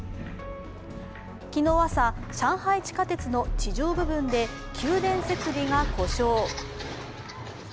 昨日朝、上海地下鉄の地上部分で給電設備が故障。